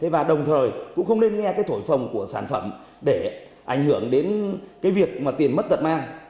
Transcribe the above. và đồng thời cũng không nên nghe cái thổi phòng của sản phẩm để ảnh hưởng đến cái việc mà tiền mất tật mang